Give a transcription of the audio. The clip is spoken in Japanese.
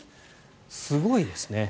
すごいですね。